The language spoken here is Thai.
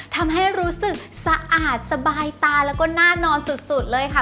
ทำให้รู้สึกสะอาดสบายตาแล้วก็น่านอนสุดเลยค่ะ